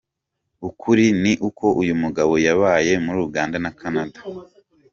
Ukuri ni uko uyu mugabo yabaye muri Uganda na Canada.